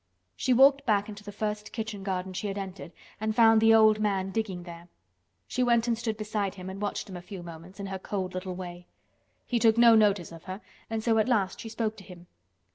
She walked back into the first kitchen garden she had entered and found the old man digging there. She went and stood beside him and watched him a few moments in her cold little way. He took no notice of her and so at last she spoke to him.